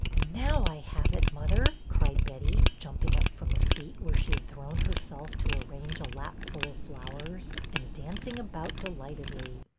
'' Now I have it, mother !" cried Betty, jumping Up from the seat where she had thrown herself to arrange a lapful of flowers, and dancing about delightedly.